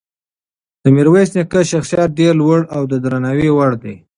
د میرویس نیکه شخصیت ډېر لوړ او د درناوي وړ دی.